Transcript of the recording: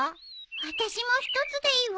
私も１つでいいわ。